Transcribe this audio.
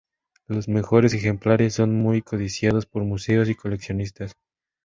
Los mejores ejemplares son muy codiciados por museos y coleccionistas.